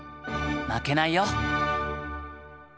負けないよ。